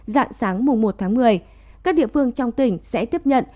dạng sáng mùa một một mươi các địa phương trong tỉnh sẽ tiếp nhận